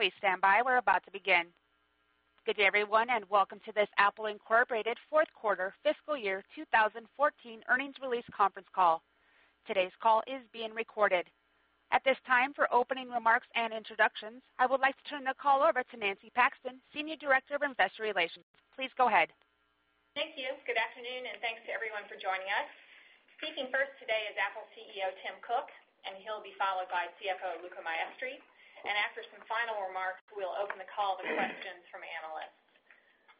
Please stand by. We're about to begin. Good day, everyone, and welcome to this Apple Inc. fourth quarter fiscal year 2014 earnings release conference call. Today's call is being recorded. At this time, for opening remarks and introductions, I would like to turn the call over to Nancy Paxton, Senior Director of Investor Relations. Please go ahead. Thank you. Good afternoon, thanks to everyone for joining us. Speaking first today is Apple CEO, Tim Cook. He'll be followed by CFO, Luca Maestri. After some final remarks, we'll open the call to questions from analysts.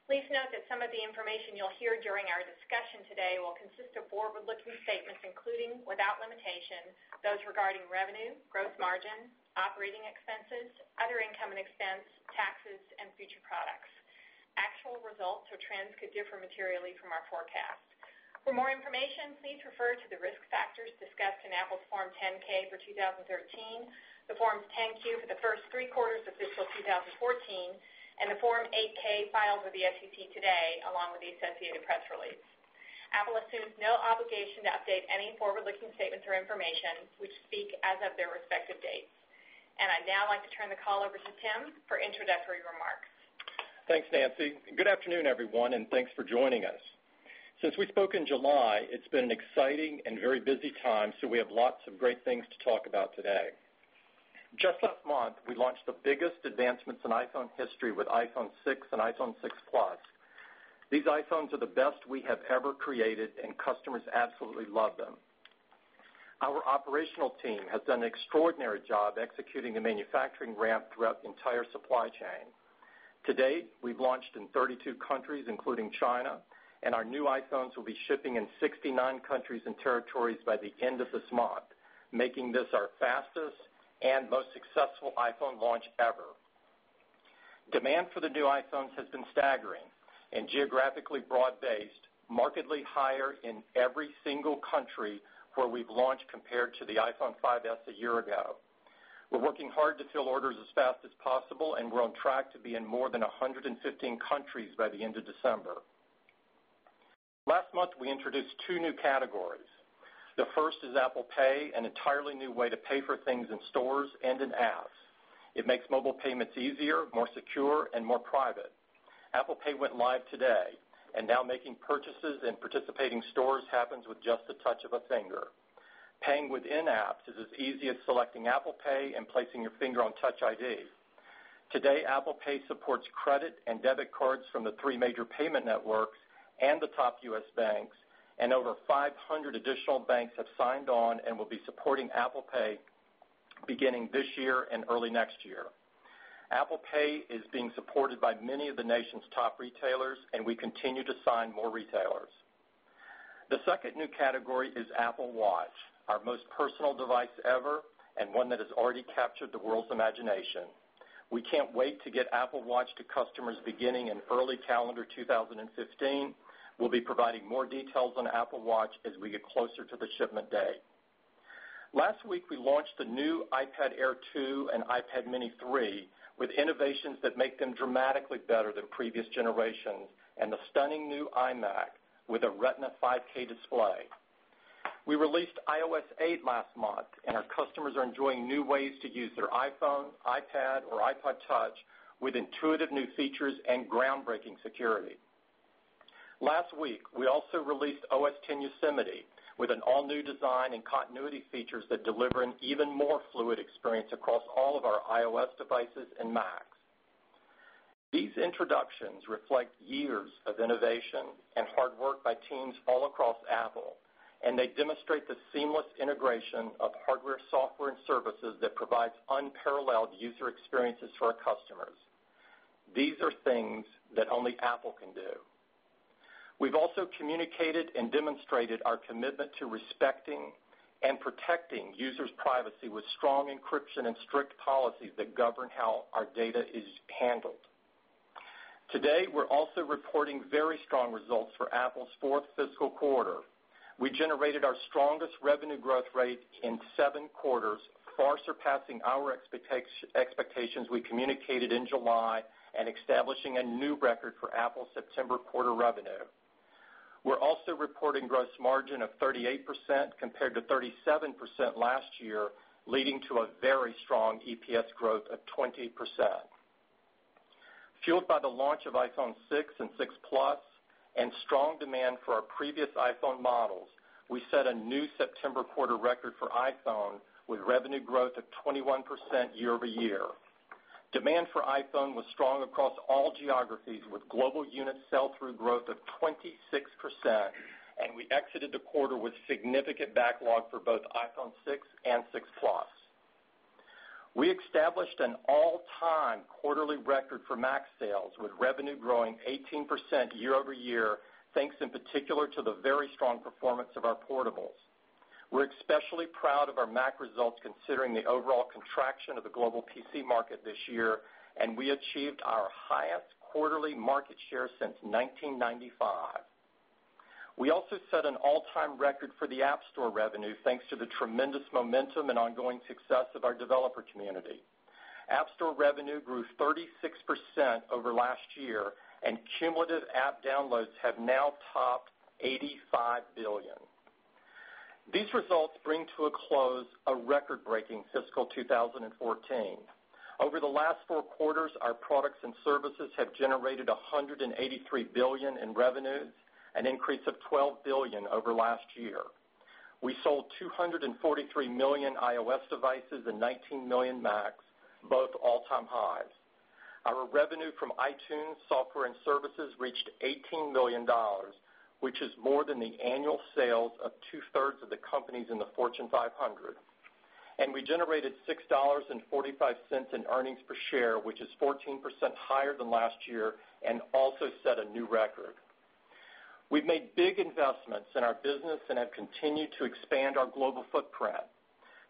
Please note that some of the information you'll hear during our discussion today will consist of forward-looking statements, including, without limitation, those regarding revenue, gross margin, operating expenses, other income and expense, taxes, and future products. Actual results or trends could differ materially from our forecast. For more information, please refer to the risk factors discussed in Apple's Form 10-K for 2013, the Forms 10-Q for the first three quarters of fiscal 2014, the Form 8-K filed with the SEC today, along with the associated press release. Apple assumes no obligation to update any forward-looking statements or information, which speak as of their respective dates. I'd now like to turn the call over to Tim for introductory remarks. Thanks, Nancy. Good afternoon, everyone, thanks for joining us. Since we spoke in July, it's been an exciting and very busy time. We have lots of great things to talk about today. Just last month, we launched the biggest advancements in iPhone history with iPhone 6 and iPhone 6 Plus. These iPhones are the best we have ever created. Customers absolutely love them. Our operational team has done an extraordinary job executing the manufacturing ramp throughout the entire supply chain. To date, we've launched in 32 countries, including China. Our new iPhones will be shipping in 69 countries and territories by the end of this month, making this our fastest and most successful iPhone launch ever. Demand for the new iPhones has been staggering and geographically broad-based, markedly higher in every single country where we've launched compared to the iPhone 5s a year ago. We're working hard to fill orders as fast as possible, we're on track to be in more than 115 countries by the end of December. Last month, we introduced two new categories. The first is Apple Pay, an entirely new way to pay for things in stores and in apps. It makes mobile payments easier, more secure, and more private. Apple Pay went live today, now making purchases in participating stores happens with just the touch of a finger. Paying within apps is as easy as selecting Apple Pay and placing your finger on Touch ID. Today, Apple Pay supports credit and debit cards from the three major payment networks and the top U.S. banks, over 500 additional banks have signed on and will be supporting Apple Pay beginning this year and early next year. Apple Pay is being supported by many of the nation's top retailers, we continue to sign more retailers. The second new category is Apple Watch, our most personal device ever, one that has already captured the world's imagination. We can't wait to get Apple Watch to customers beginning in early calendar 2015. We'll be providing more details on Apple Watch as we get closer to the shipment date. Last week, we launched the new iPad Air 2 and iPad Mini 3 with innovations that make them dramatically better than previous generations, the stunning new iMac with a Retina 5K display. We released iOS 8 last month, our customers are enjoying new ways to use their iPhone, iPad, or iPod touch with intuitive new features and groundbreaking security. Last week, we also released OS X Yosemite with an all-new design and Continuity features that deliver an even more fluid experience across all of our iOS devices and Macs. These introductions reflect years of innovation and hard work by teams all across Apple, they demonstrate the seamless integration of hardware, software, and services that provides unparalleled user experiences for our customers. These are things that only Apple can do. We've also communicated and demonstrated our commitment to respecting and protecting users' privacy with strong encryption and strict policies that govern how our data is handled. Today, we're also reporting very strong results for Apple's fourth fiscal quarter. We generated our strongest revenue growth rate in seven quarters, far surpassing our expectations we communicated in July and establishing a new record for Apple September quarter revenue. We're also reporting gross margin of 38% compared to 37% last year, leading to a very strong EPS growth of 20%. Fueled by the launch of iPhone 6 and 6 Plus and strong demand for our previous iPhone models, we set a new September quarter record for iPhone with revenue growth of 21% year-over-year. Demand for iPhone was strong across all geographies, with global unit sell-through growth of 26%, we exited the quarter with significant backlog for both iPhone 6 and 6 Plus. We established an all-time quarterly record for Mac sales, with revenue growing 18% year-over-year, thanks in particular to the very strong performance of our portables. We're especially proud of our Mac results considering the overall contraction of the global PC market this year, we achieved our highest quarterly market share since 1995. We also set an all-time record for the App Store revenue, thanks to the tremendous momentum and ongoing success of our developer community. App Store revenue grew 36% over last year, and cumulative app downloads have now topped 85 billion. These results bring to a close a record-breaking fiscal 2014. Over the last four quarters, our products and services have generated $183 billion in revenues, an increase of $12 billion over last year. We sold 243 million iOS devices and 19 million Macs, both all-time highs. Our revenue from iTunes software and services reached $18 million, which is more than the annual sales of two-thirds of the companies in the Fortune 500. We generated $6.45 in earnings per share, which is 14% higher than last year, and also set a new record. We've made big investments in our business and have continued to expand our global footprint.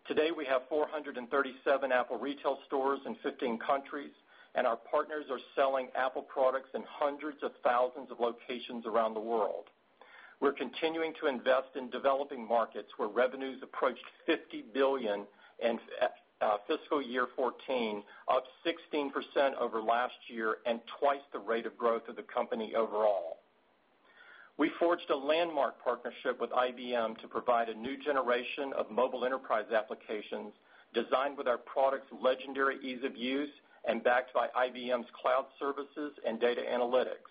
Today, we have 437 Apple retail stores in 15 countries, and our partners are selling Apple products in hundreds of thousands of locations around the world. We're continuing to invest in developing markets where revenues approached $50 billion in fiscal year 2014, up 16% over last year and twice the rate of growth of the company overall. We forged a landmark partnership with IBM to provide a new generation of mobile enterprise applications designed with our product's legendary ease of use and backed by IBM's cloud services and data analytics.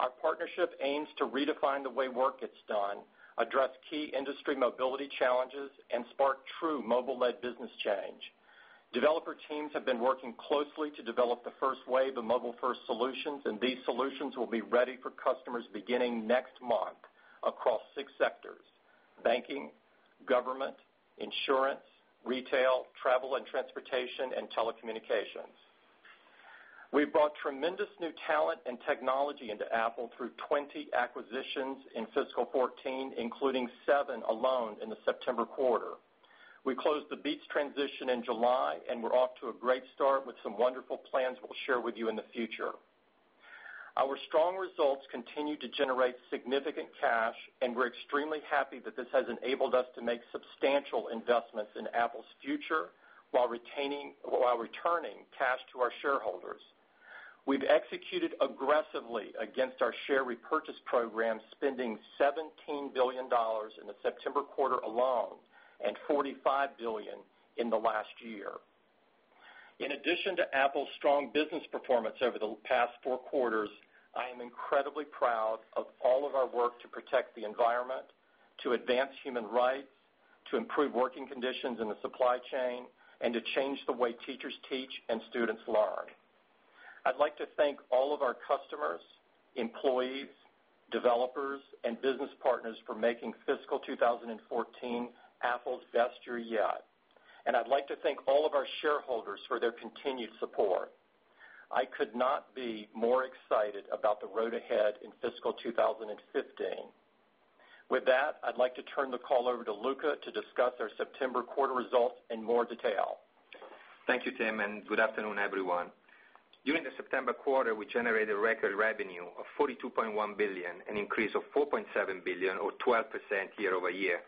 Our partnership aims to redefine the way work gets done, address key industry mobility challenges, and spark true mobile-led business change. Developer teams have been working closely to develop the first wave of mobile-first solutions, and these solutions will be ready for customers beginning next month across six sectors: banking, government, insurance, retail, travel and transportation, and telecommunications. We've brought tremendous new talent and technology into Apple through 20 acquisitions in fiscal 2014, including seven alone in the September quarter. We closed the Beats transition in July. We're off to a great start with some wonderful plans we'll share with you in the future. Our strong results continue to generate significant cash. We're extremely happy that this has enabled us to make substantial investments in Apple's future while returning cash to our shareholders. We've executed aggressively against our share repurchase program, spending $17 billion in the September quarter alone and $45 billion in the last year. In addition to Apple's strong business performance over the past four quarters, I am incredibly proud of all of our work to protect the environment, to advance human rights, to improve working conditions in the supply chain, and to change the way teachers teach and students learn. I'd like to thank all of our customers, employees, developers, and business partners for making fiscal 2014 Apple's best year yet. I'd like to thank all of our shareholders for their continued support. I could not be more excited about the road ahead in fiscal 2015. With that, I'd like to turn the call over to Luca to discuss our September quarter results in more detail. Thank you, Tim, and good afternoon, everyone. During the September quarter, we generated record revenue of $42.1 billion, an increase of $4.7 billion or 12% year-over-year.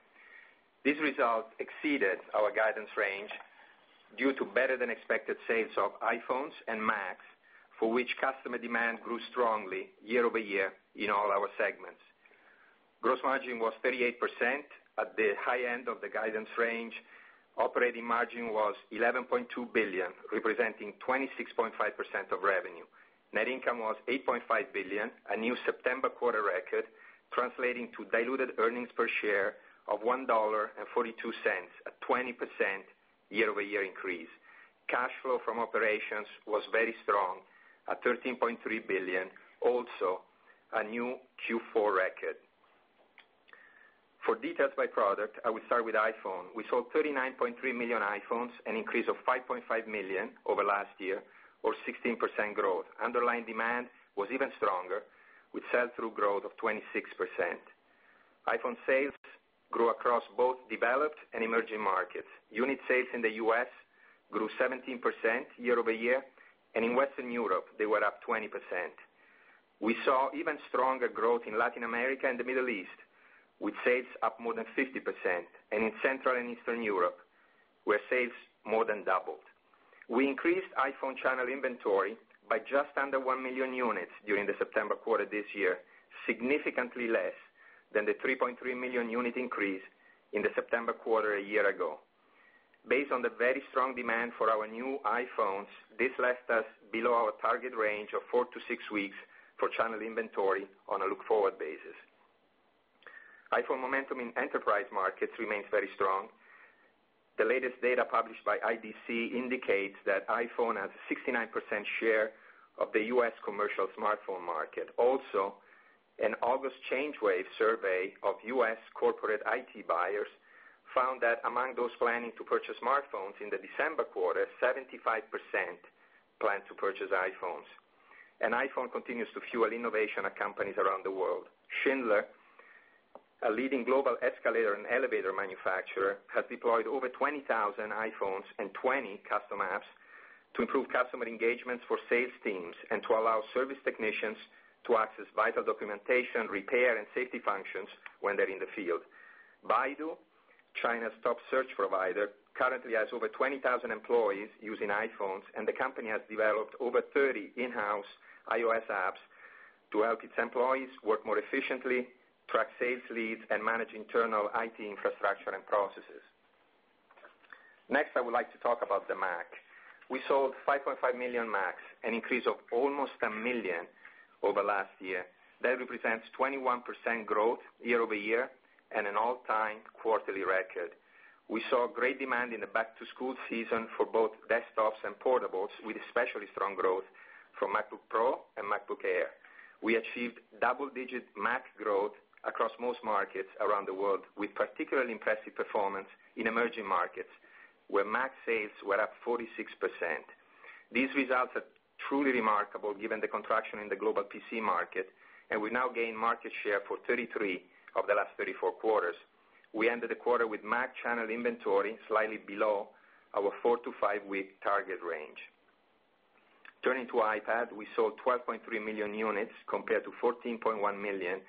This result exceeded our guidance range due to better than expected sales of iPhones and Macs, for which customer demand grew strongly year-over-year in all our segments. Gross margin was 38% at the high end of the guidance range. Operating margin was $11.2 billion, representing 26.5% of revenue. Net income was $8.5 billion, a new September quarter record translating to diluted earnings per share of $1.42, a 20% year-over-year increase. Cash flow from operations was very strong at $13.3 billion, also a new Q4 record. For details by product, I will start with iPhone. We sold 39.3 million iPhones, an increase of 5.5 million over last year or 16% growth. Underlying demand was even stronger, with sell-through growth of 26%. iPhone sales grew across both developed and emerging markets. Unit sales in the U.S. grew 17% year-over-year, and in Western Europe, they were up 20%. We saw even stronger growth in Latin America and the Middle East, with sales up more than 50%, and in Central and Eastern Europe, where sales more than doubled. We increased iPhone channel inventory by just under 1 million units during the September quarter this year, significantly less than the 3.3 million unit increase in the September quarter a year ago. Based on the very strong demand for our new iPhones, this left us below our target range of four to six weeks for channel inventory on a look-forward basis. iPhone momentum in enterprise markets remains very strong. The latest data published by IDC indicates that iPhone has 69% share of the U.S. commercial smartphone market. Also, an August ChangeWave survey of U.S. corporate IT buyers found that among those planning to purchase smartphones in the December quarter, 75% plan to purchase iPhones. iPhone continues to fuel innovation at companies around the world. Schindler, a leading global escalator and elevator manufacturer, has deployed over 20,000 iPhones and 20 custom apps to improve customer engagements for sales teams and to allow service technicians to access vital documentation, repair, and safety functions when they're in the field. Baidu, China's top search provider, currently has over 20,000 employees using iPhones, and the company has developed over 30 in-house iOS apps to help its employees work more efficiently, track sales leads, and manage internal IT infrastructure and processes. I would like to talk about the Mac. We sold 5.5 million Macs, an increase of almost 1 million over last year. That represents 21% year-over-year growth and an all-time quarterly record. We saw great demand in the back-to-school season for both desktops and portables, with especially strong growth from MacBook Pro and MacBook Air. We achieved double-digit Mac growth across most markets around the world, with particularly impressive performance in emerging markets, where Mac sales were up 46%. These results are truly remarkable given the contraction in the global PC market, and we've now gained market share for 33 of the last 34 quarters. We ended the quarter with Mac channel inventory slightly below our four-to-five week target range. Turning to iPad, we sold 12.3 million units compared to 14.1 million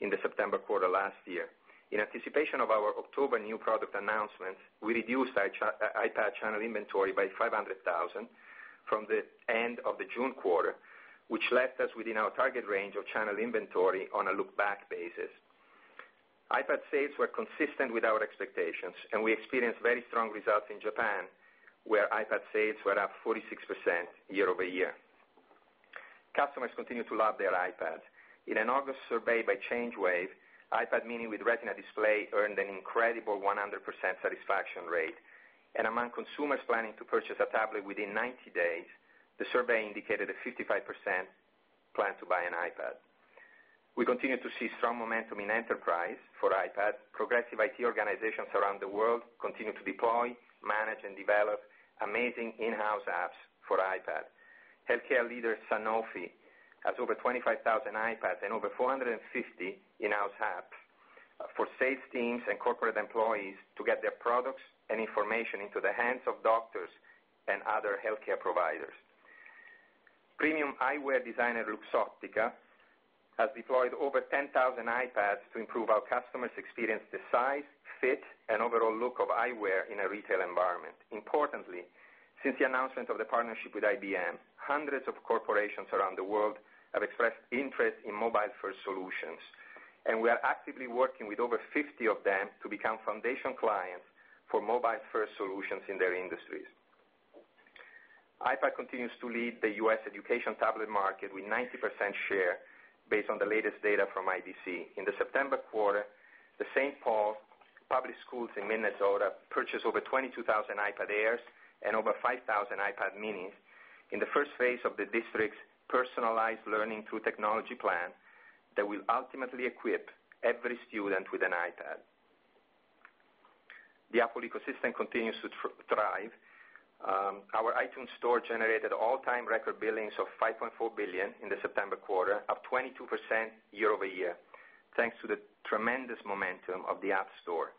in the September quarter last year. In anticipation of our October new product announcements, we reduced iPad channel inventory by 500,000 from the end of the June quarter, which left us within our target range of channel inventory on a look-back basis. iPad sales were consistent with our expectations, and we experienced very strong results in Japan, where iPad sales were up 46% year-over-year. Customers continue to love their iPads. In an August survey by ChangeWave, iPad Mini with Retina Display earned an incredible 100% satisfaction rate. Among consumers planning to purchase a tablet within 90 days, the survey indicated that 55% plan to buy an iPad. We continue to see strong momentum in enterprise for iPad. Progressive IT organizations around the world continue to deploy, manage, and develop amazing in-house apps for iPad. Healthcare leader Sanofi has over 25,000 iPads and over 450 in-house apps for sales teams and corporate employees to get their products and information into the hands of doctors and other healthcare providers. Premium eyewear designer, Luxottica, has deployed over 10,000 iPads to improve how customers experience the size, fit, and overall look of eyewear in a retail environment. Importantly, since the announcement of the partnership with IBM, hundreds of corporations around the world have expressed interest in mobile-first solutions, and we are actively working with over 50 of them to become foundation clients for mobile-first solutions in their industries. iPad continues to lead the U.S. education tablet market with 90% share based on the latest data from IDC. In the September quarter, the Saint Paul Public Schools in Minnesota purchased over 22,000 iPad Airs and over 5,000 iPad Minis in the first phase of the district's personalized learning through technology plan that will ultimately equip every student with an iPad. The Apple ecosystem continues to thrive. Our iTunes Store generated all-time record billings of $5.4 billion in the September quarter, up 22% year-over-year, thanks to the tremendous momentum of the App Store.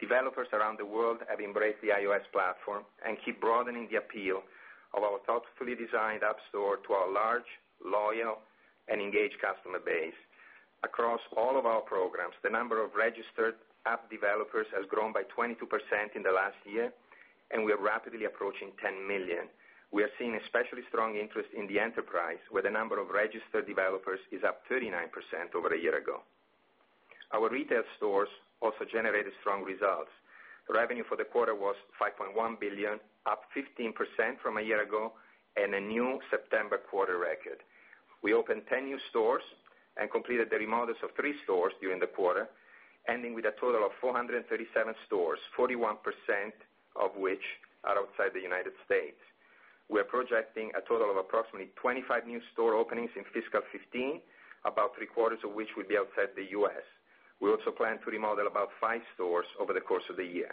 Developers around the world have embraced the iOS platform and keep broadening the appeal of our thoughtfully designed App Store to our large, loyal, and engaged customer base. Across all of our programs, the number of registered app developers has grown by 22% in the last year, we are rapidly approaching 10 million. We are seeing especially strong interest in the enterprise, where the number of registered developers is up 39% over a year ago. Our retail stores also generated strong results. Revenue for the quarter was $5.1 billion, up 15% from a year ago and a new September quarter record. We opened 10 new stores and completed the remodels of three stores during the quarter, ending with a total of 437 stores, 41% of which are outside the U.S. We're projecting a total of approximately 25 new store openings in fiscal 2015, about three-quarters of which will be outside the U.S. We also plan to remodel about five stores over the course of the year.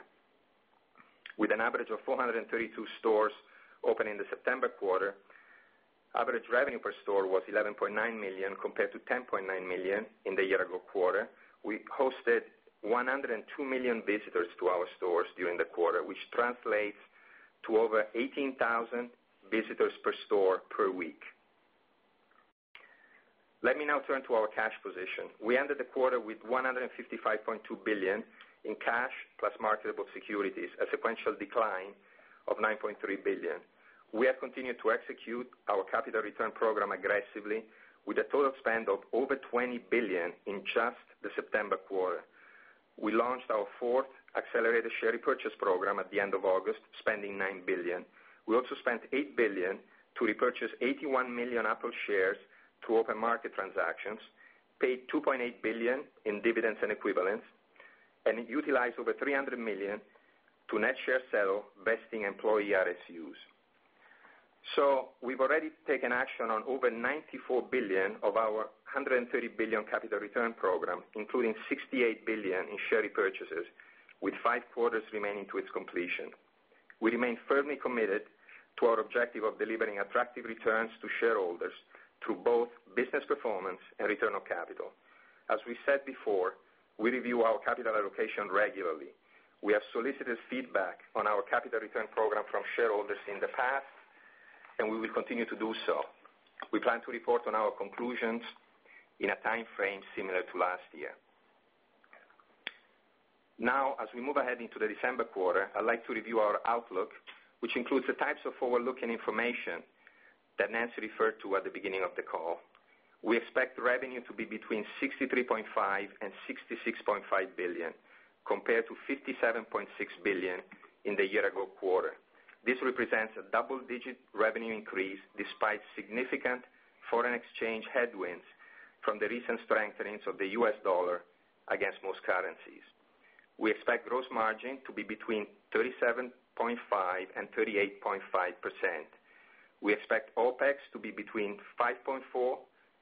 With an average of 432 stores open in the September quarter, average revenue per store was $11.9 million compared to $10.9 million in the year-ago quarter. We hosted 102 million visitors to our stores during the quarter, which translates to over 18,000 visitors per store, per week. Let me now turn to our cash position. We ended the quarter with $155.2 billion in cash plus marketable securities, a sequential decline of $9.3 billion. We have continued to execute our capital return program aggressively with a total spend of over $20 billion in just the September quarter. We launched our fourth accelerated share repurchase program at the end of August, spending $9 billion. We also spent $8 billion to repurchase 81 million Apple shares through open market transactions, paid $2.8 billion in dividends and equivalents, and utilized over $300 million to net share sell vesting employee RSUs. We've already taken action on over $94 billion of our $130 billion capital return program, including $68 billion in share repurchases, with five quarters remaining to its completion. We remain firmly committed to our objective of delivering attractive returns to shareholders through both business performance and return on capital. As we said before, we review our capital allocation regularly. We have solicited feedback on our capital return program from shareholders in the past, and we will continue to do so. We plan to report on our conclusions in a time frame similar to last year. Now, as we move ahead into the December quarter, I'd like to review our outlook, which includes the types of forward-looking information that Nancy referred to at the beginning of the call. We expect revenue to be between $63.5 billion and $66.5 billion, compared to $57.6 billion in the year-ago quarter. This represents a double-digit revenue increase despite significant foreign exchange headwinds from the recent strengthenings of the U.S. dollar against most currencies. We expect gross margin to be between 37.5% and 38.5%. We expect OPEX to be between $5.4 billion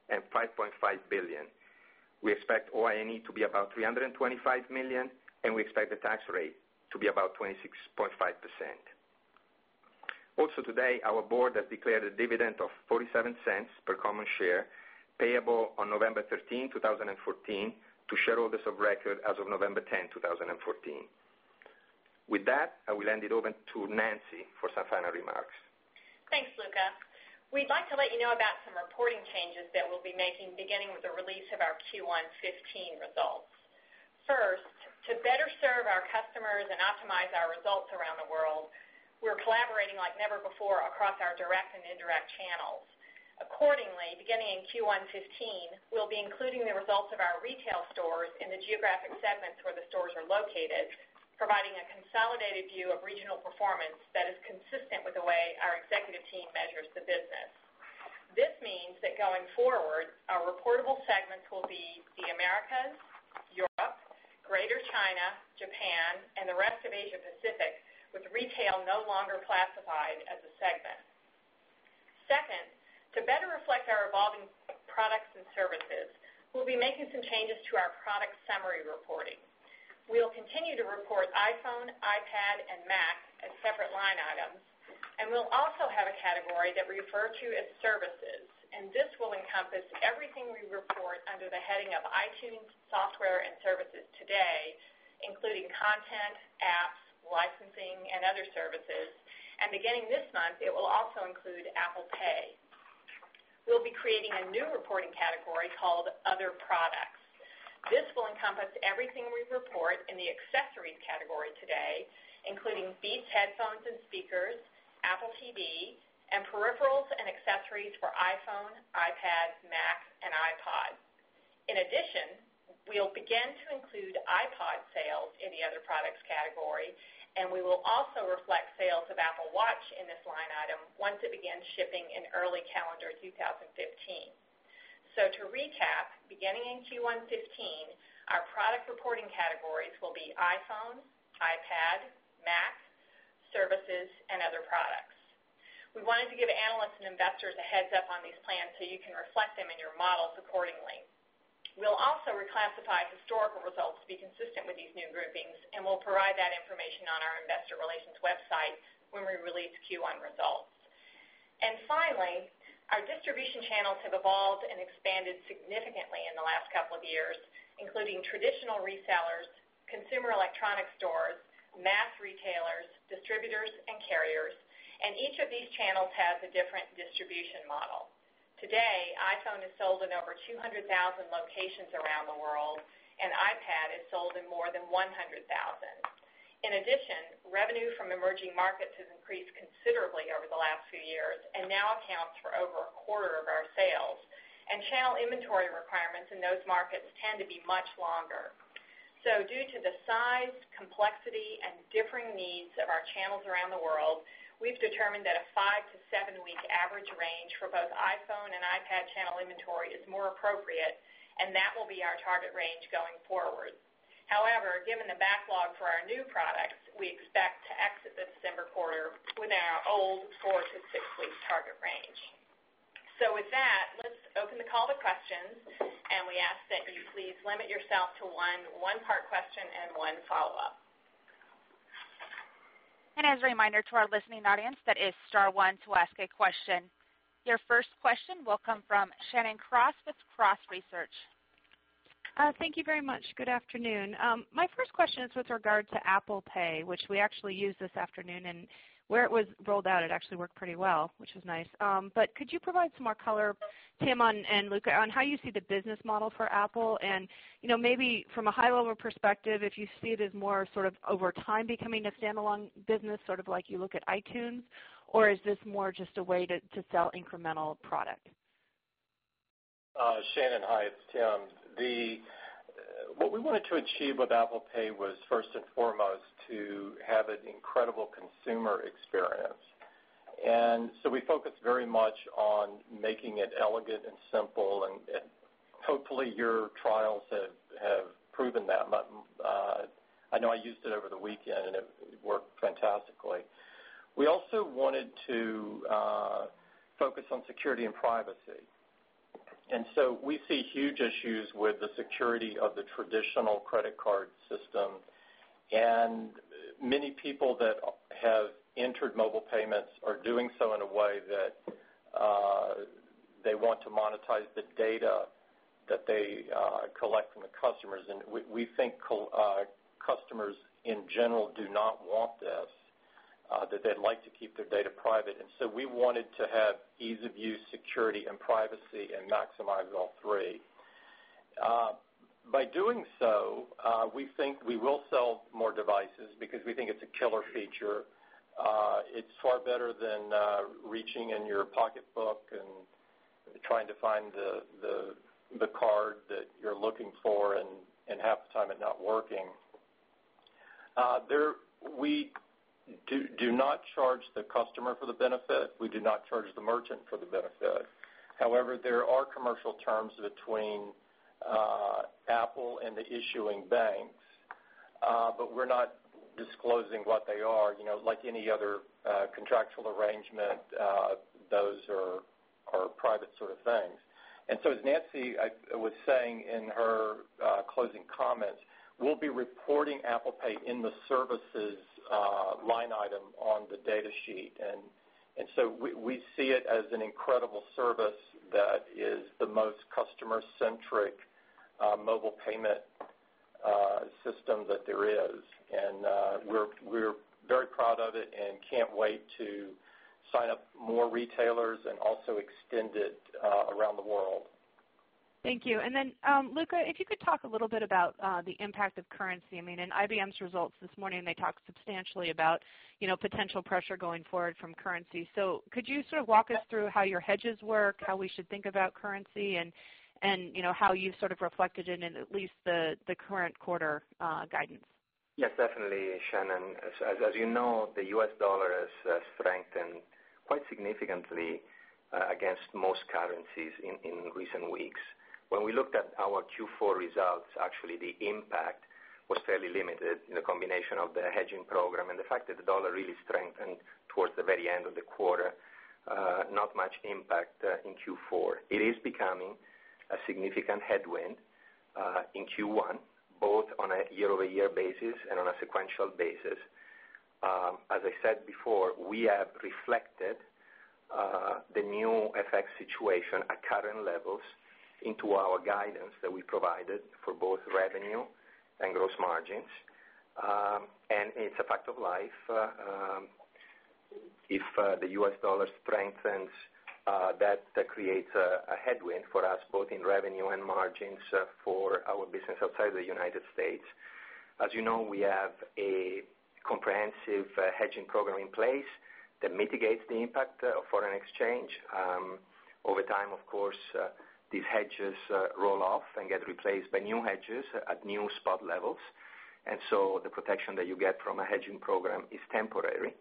and $5.5 billion. We expect OIE to be about $325 million, and we expect the tax rate to be about 26.5%. Also today, our board has declared a dividend of $0.47 per common share, payable on November 13, 2014, to shareholders of record as of November 10, 2014. With that, I will hand it over to Nancy for some final remarks. Thanks, Luca. We'd like to let you know about some reporting changes that we'll be making beginning with the release of our Q1 2015 results. First, to better serve our customers and optimize our results around the world, we're collaborating like never before across our direct and indirect channels. Accordingly, beginning in Q1 2015, we'll be including the results of our retail stores in the geographic segments where the stores are located, providing a consolidated view of regional performance that is consistent with the way our executive team measures the business. This means that going forward, our reportable segments will be the Americas, Europe, Greater China, Japan, and the rest of Asia-Pacific, with retail no longer classified as a segment. Second, to better reflect our evolving products and services, we'll be making some changes to our product summary reporting. We'll continue to report iPhone, iPad, and Mac as separate line items, and we'll also have a category that we refer to as services, and this will encompass everything we report under the heading of iTunes software and services today, including content, apps, licensing, and other services. Beginning this month, it will also include Apple Pay. We'll be creating a new reporting category called other products. This will encompass everything we report in the accessories category today, including Beats headphones and speakers, Apple TV, and peripherals and accessories for iPhone, iPad, Mac, and iPod. In addition, we'll begin to include iPod sales in the other products category, and we will also reflect sales of Apple Watch in this line item once it begins shipping in early calendar 2015. To recap, beginning in Q1 2015, our product reporting categories will be iPhone, iPad, Mac, services, and other products. We wanted to give analysts and investors a heads up on these plans so you can reflect them in your models accordingly. We'll also reclassify historical results to be consistent with these new groupings, and we'll provide that information on our investor relations website when we release Q1 results. Finally, our distribution channels have evolved and expanded significantly in the last couple of years, including traditional resellers, consumer electronic stores, mass retailers, distributors, and carriers, and each of these channels has a different distribution model. Today, iPhone is sold in over 200,000 locations around the world, and iPad is sold in more than 100,000. In addition, revenue from emerging markets has increased considerably over the last few years and now accounts for over a quarter of our sales. Channel inventory requirements in those markets tend to be much longer. Due to the size, complexity, and differing needs of our channels around the world, we've determined that a five-to-seven-week average range for both iPhone and iPad channel inventory is more appropriate, and that will be our target range going forward. However, given the backlog for our new products, we expect to exit the December quarter with our old four-to-six-week target range. With that, let's open the call to questions, and we ask that you please limit yourself to one part question and one follow-up. As a reminder to our listening audience, that is star one to ask a question. Your first question will come from Shannon Cross with Cross Research. Thank you very much. Good afternoon. My first question is with regard to Apple Pay, which we actually used this afternoon and where it was rolled out, it actually worked pretty well, which was nice. Could you provide some more color, Tim and Luca, on how you see the business model for Apple and maybe from a high-level perspective, if you see it as more sort of over time becoming a standalone business, sort of like you look at iTunes, or is this more just a way to sell incremental product? Shannon, hi, it's Tim. What we wanted to achieve with Apple Pay was first and foremost to have an incredible consumer experience. We focused very much on making it elegant and simple, and hopefully your trials have proven that. I know I used it over the weekend, and it worked fantastically. We also wanted to focus on security and privacy. We see huge issues with the security of the traditional credit card system, and many people that have entered mobile payments are doing so in a way that they want to monetize the data that they collect from the customers, and we think customers in general do not want this That they'd like to keep their data private. We wanted to have ease of use, security and privacy, and maximize all three. By doing so, we think we will sell more devices because we think it's a killer feature. It's far better than reaching in your pocketbook and trying to find the card that you're looking for, and half the time it not working. We do not charge the customer for the benefit. We do not charge the merchant for the benefit. However, there are commercial terms between Apple and the issuing banks, but we're not disclosing what they are. Like any other contractual arrangement, those are private sort of things. As Nancy was saying in her closing comments, we'll be reporting Apple Pay in the services line item on the data sheet. We see it as an incredible service that is the most customer-centric mobile payment system that there is. We're very proud of it and can't wait to sign up more retailers and also extend it around the world. Thank you. Luca, if you could talk a little bit about the impact of currency. In IBM's results this morning, they talked substantially about potential pressure going forward from currency. Could you sort of walk us through how your hedges work, how we should think about currency, and how you sort of reflected it in at least the current quarter guidance? Yes, definitely, Shannon. As you know, the U.S. dollar has strengthened quite significantly against most currencies in recent weeks. When we looked at our Q4 results, actually the impact was fairly limited in the combination of the hedging program and the fact that the dollar really strengthened towards the very end of the quarter. Not much impact in Q4. It is becoming a significant headwind in Q1, both on a year-over-year basis and on a sequential basis. As I said before, we have reflected the new FX situation at current levels into our guidance that we provided for both revenue and gross margins. It's a fact of life. If the U.S. dollar strengthens, that creates a headwind for us, both in revenue and margins for our business outside the United States. As you know, we have a comprehensive hedging program in place that mitigates the impact of foreign exchange. Over time, of course, these hedges roll off and get replaced by new hedges at new spot levels. The protection that you get from a hedging program is temporary.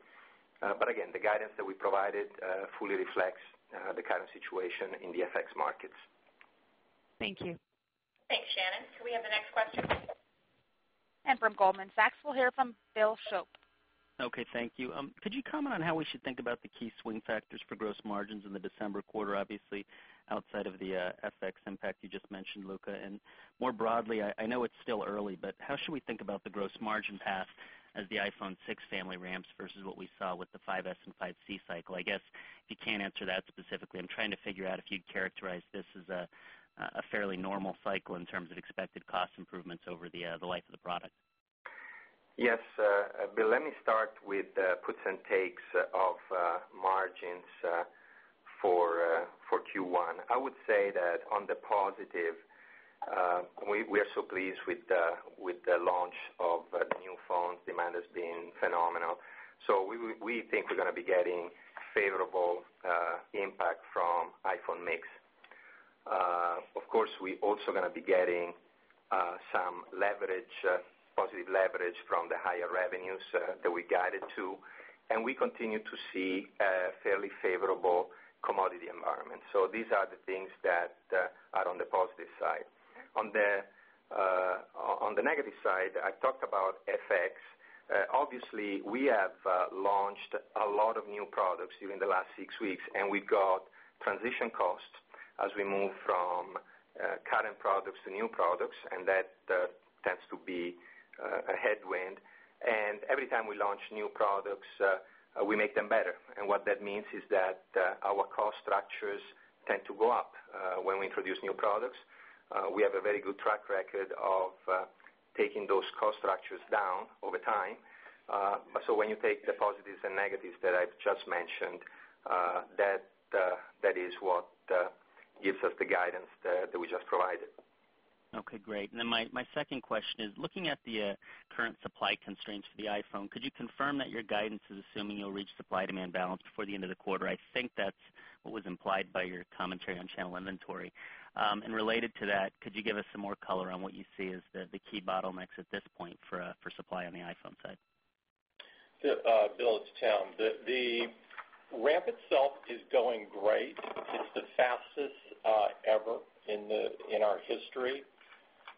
Again, the guidance that we provided fully reflects the current situation in the FX markets. Thank you. Thanks, Shannon. Could we have the next question? From Goldman Sachs, we'll hear from Bill Shope. Okay. Thank you. Could you comment on how we should think about the key swing factors for gross margins in the December quarter, obviously outside of the FX impact you just mentioned, Luca? More broadly, I know it's still early, but how should we think about the gross margin path as the iPhone 6 family ramps versus what we saw with the 5s and 5c cycle? I guess if you can't answer that specifically, I'm trying to figure out if you'd characterize this as a fairly normal cycle in terms of expected cost improvements over the life of the product. Yes, Bill, let me start with puts and takes of margins for Q1. I would say that on the positive, we are so pleased with the launch of new phones. Demand has been phenomenal. We think we're going to be getting favorable impact from iPhone mix. Of course, we also going to be getting some positive leverage from the higher revenues that we guided to, and we continue to see a fairly favorable commodity environment. These are the things that are on the positive side. On the negative side, I talked about FX. Obviously, we have launched a lot of new products during the last six weeks, and we've got transition costs as we move from current products to new products, and that tends to be a headwind. Every time we launch new products, we make them better. What that means is that our cost structures tend to go up when we introduce new products. We have a very good track record of taking those cost structures down over time. When you take the positives and negatives that I've just mentioned, that is what gives us the guidance that we just provided. Okay, great. My second question is, looking at the current supply constraints for the iPhone, could you confirm that your guidance is assuming you'll reach supply-demand balance before the end of the quarter? I think that's what was implied by your commentary on channel inventory. Related to that, could you give us some more color on what you see as the key bottlenecks at this point for supply on the iPhone side? Bill, it's Tim. The ramp itself is going great. It's the fastest ever in our history,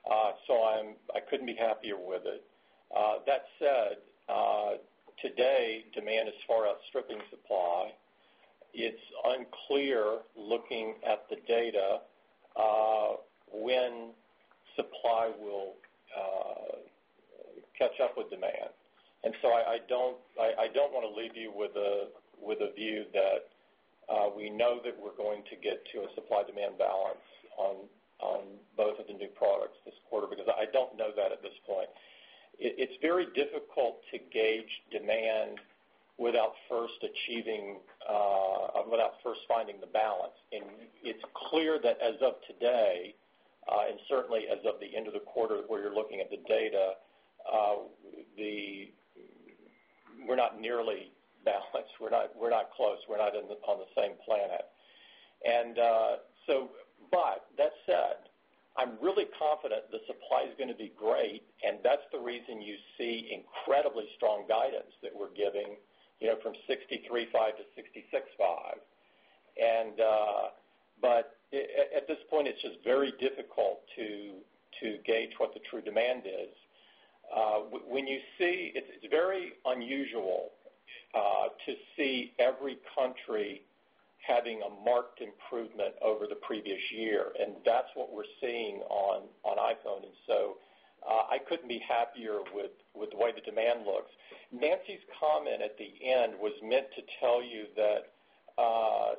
I couldn't be happier with it. That said, today, demand is far outstripping supply. It's unclear, looking at the data, when supply will catch up with demand. I don't want to leave you with a view that We know that we're going to get to a supply-demand balance on both of the new products this quarter, because I don't know that at this point. It's very difficult to gauge demand without first finding the balance. It's clear that as of today, and certainly as of the end of the quarter where you're looking at the data, we're not nearly balanced. We're not close. We're not on the same planet. That said, I'm really confident the supply's going to be great, and that's the reason you see incredibly strong guidance that we're giving, from $63.5 billion-$66.5 billion. At this point, it's just very difficult to gauge what the true demand is. It's very unusual to see every country having a marked improvement over the previous year, and that's what we're seeing on iPhone. I couldn't be happier with the way the demand looks. Nancy's comment at the end was meant to tell you that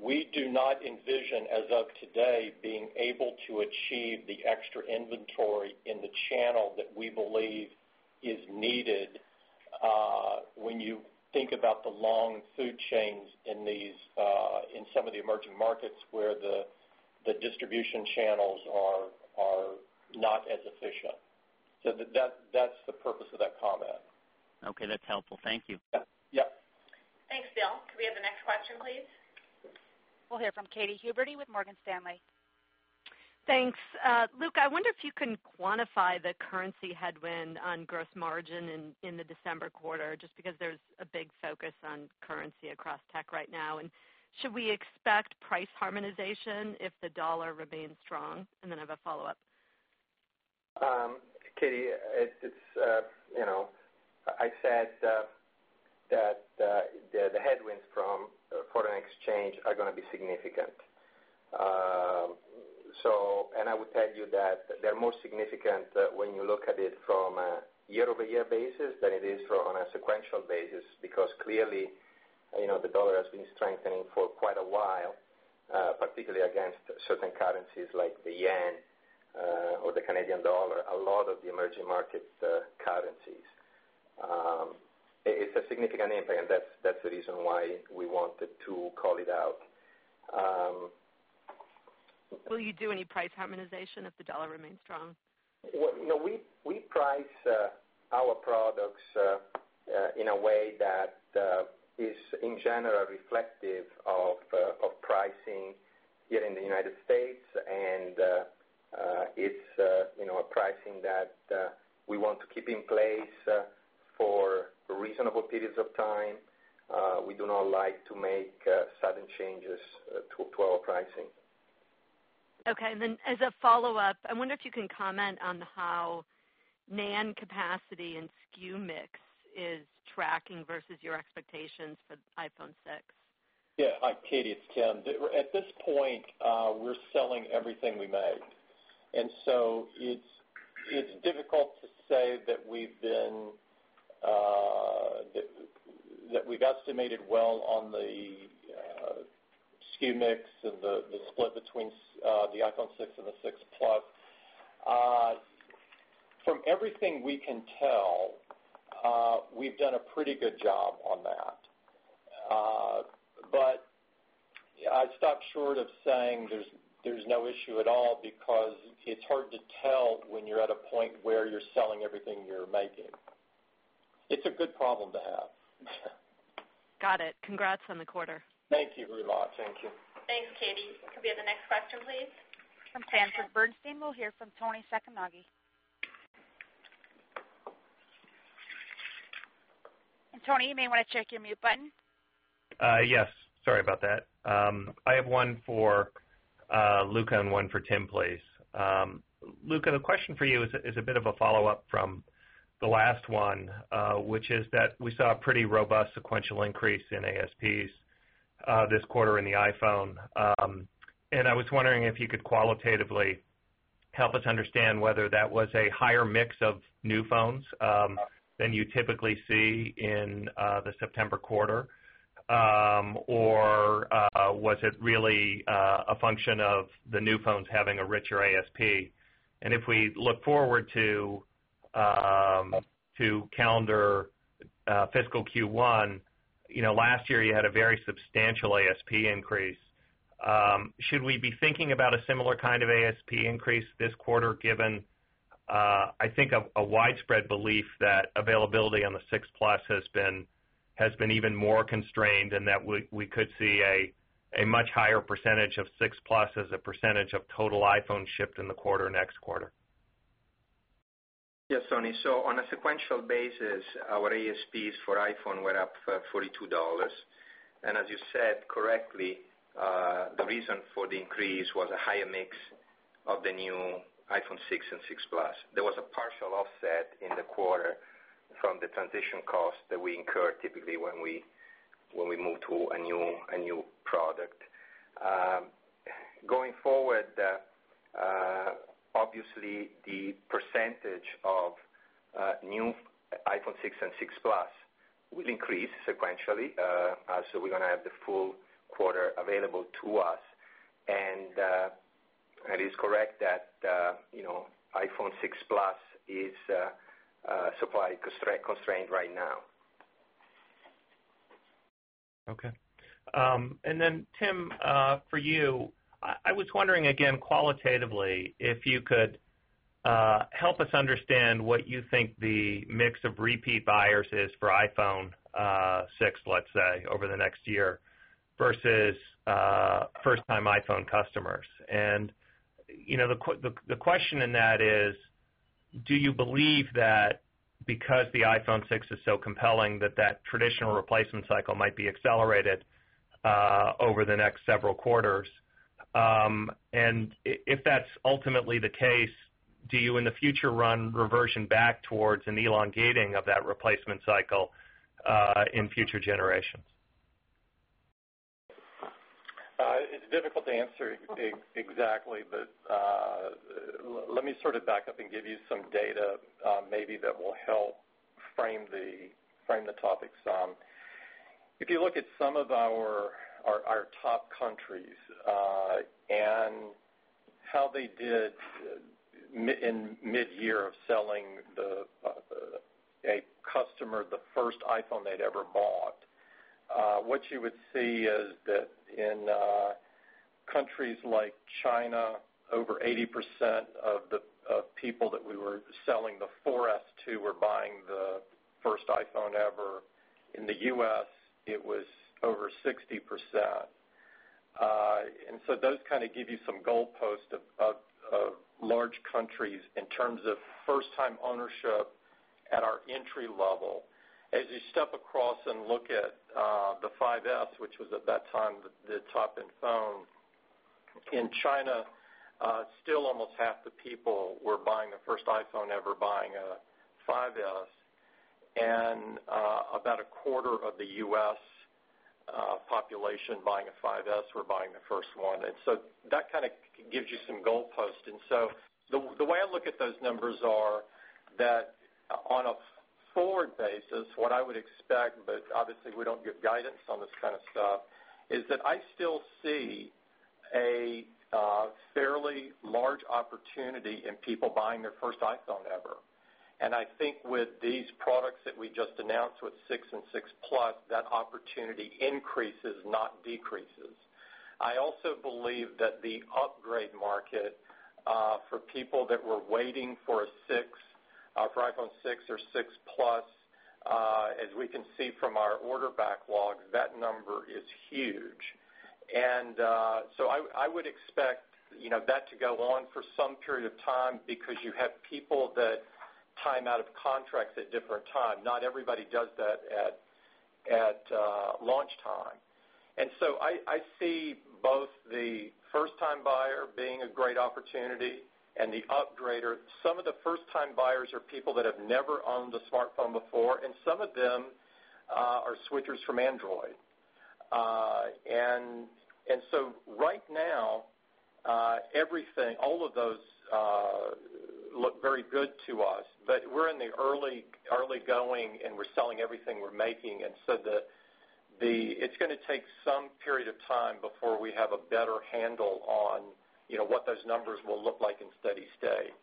we do not envision, as of today, being able to achieve the extra inventory in the channel that we believe is needed when you think about the long food chains in some of the emerging markets where the distribution channels are not as efficient. That's the purpose of that comment. That's helpful. Thank you. Yeah. Thanks, Bill. Could we have the next question, please? We'll hear from Katy Huberty with Morgan Stanley. Thanks. Luca, I wonder if you can quantify the currency headwind on gross margin in the December quarter, just because there's a big focus on currency across tech right now. Should we expect price harmonization if the dollar remains strong? I have a follow-up. Katy, I said that the headwinds from foreign exchange are going to be significant. I would tell you that they're more significant when you look at it from a year-over-year basis than it is from on a sequential basis, because clearly, the dollar has been strengthening for quite a while, particularly against certain currencies like the yen or the Canadian dollar, a lot of the emerging market currencies. It's a significant impact. That's the reason why we wanted to call it out. Will you do any price harmonization if the dollar remains strong? We price our products in a way that is, in general, reflective of pricing here in the United States. It's a pricing that we want to keep in place for reasonable periods of time. We do not like to make sudden changes to our pricing. Okay. Then as a follow-up, I wonder if you can comment on how NAND capacity and SKU mix is tracking versus your expectations for the iPhone 6. Yeah. Hi, Katy, it's Tim. At this point, we're selling everything we make. So it's difficult to say that we've estimated well on the SKU mix and the split between the iPhone 6 and the 6 Plus. From everything we can tell, we've done a pretty good job on that. I'd stop short of saying there's no issue at all because it's hard to tell when you're at a point where you're selling everything you're making. It's a good problem to have. Got it. Congrats on the quarter. Thank you very much. Thank you. Thanks, Katy. Could we have the next question, please? From Sanford C. Bernstein, we'll hear from Toni Sacconaghi. Toni, you may want to check your mute button. Yes, sorry about that. I have one for Luca and one for Tim, please. Luca, the question for you is a bit of a follow-up from the last one, which is that we saw a pretty robust sequential increase in ASPs this quarter in the iPhone. I was wondering if you could qualitatively help us understand whether that was a higher mix of new phones than you typically see in the September quarter, or was it really a function of the new phones having a richer ASP? If we look forward to calendar fiscal Q1, last year you had a very substantial ASP increase. Should we be thinking about a similar kind of ASP increase this quarter, given, I think, a widespread belief that availability on the 6 Plus has been even more constrained and that we could see a much higher percentage of 6 Plus as a percentage of total iPhone shipped in the quarter, next quarter? Yes, Toni. On a sequential basis, our ASPs for iPhone were up for $42. As you said correctly, the reason for the increase was a higher mix of the new iPhone 6 and iPhone 6 Plus. There was a partial offset in the quarter from the transition cost that we incur typically when we move to a new product. Going forward, obviously the percentage of new iPhone 6 and iPhone 6 Plus will increase sequentially. We're going to have the full quarter available to us, and it is correct that iPhone 6 Plus is supply constrained right now. Okay. Tim, for you, I was wondering again qualitatively, if you could help us understand what you think the mix of repeat buyers is for iPhone 6, let's say, over the next year versus first-time iPhone customers. The question in that is, do you believe that because the iPhone 6 is so compelling that traditional replacement cycle might be accelerated over the next several quarters? If that's ultimately the case, do you, in the future, run reversion back towards an elongating of that replacement cycle, in future generations? It's difficult to answer exactly, but let me sort of back up and give you some data maybe that will help frame the topic some. If you look at some of our top countries, and how they did in mid-year of selling a customer the first iPhone they'd ever bought, what you would see is that in countries like China, over 80% of people that we were selling the iPhone 4S to were buying the first iPhone ever. In the U.S., it was over 60%. Those kind of give you some goalposts of large countries in terms of first-time ownership at our entry level. As you step across and look at the iPhone 5s, which was at that time the top-end phone, in China, still almost half the people were buying the first iPhone ever buying an iPhone 5s, and about a quarter of the U.S. population buying an iPhone 5s were buying their first one. That kind of gives you some goalposts. The way I look at those numbers are that on a forward basis, what I would expect, but obviously we don't give guidance on this kind of stuff, is that I still see a fairly large opportunity in people buying their first iPhone ever. I think with these products that we just announced with iPhone 6 and iPhone 6 Plus, that opportunity increases, not decreases. I also believe that the upgrade market, for people that were waiting for iPhone 6 or iPhone 6 Plus, as we can see from our order backlog, that number is huge. I would expect that to go on for some period of time because you have people that time out of contracts at different times. Not everybody does that at launch time. I see both the first-time buyer being a great opportunity and the upgrader. Some of the first-time buyers are people that have never owned a smartphone before, and some of them are switchers from Android. Right now, all of those look very good to us, but we're in the early going, and we're selling everything we're making. It's going to take some period of time before we have a better handle on what those numbers will look like in steady state.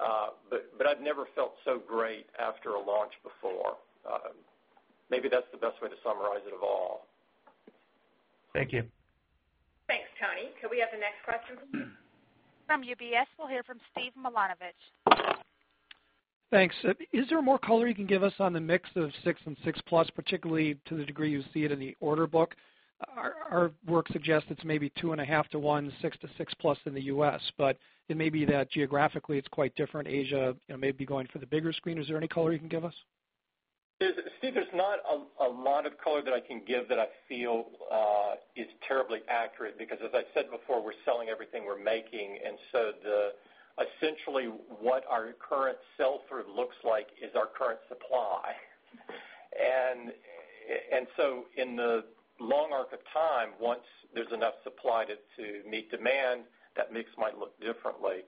I've never felt so great after a launch before. Maybe that's the best way to summarize it of all. Thank you. Thanks, Toni. Could we have the next question please? From UBS, we'll hear from Steve Milunovich. Thanks. Is there more color you can give us on the mix of 6 and 6 Plus, particularly to the degree you see it in the order book? Our work suggests it's maybe two and a half to one 6 to 6 Plus in the U.S., but it may be that geographically it's quite different. Asia may be going for the bigger screen. Is there any color you can give us? Steve, there's not a lot of color that I can give that I feel is terribly accurate because as I said before, we're selling everything we're making. Essentially what our current sell-through looks like is our current supply. In the long arc of time, once there's enough supply to meet demand, that mix might look differently.